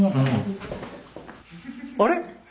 あれ？